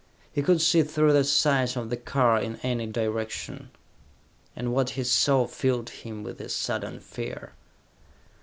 He could see through the sides of the car in any direction. And what he saw filled him with a sudden fear!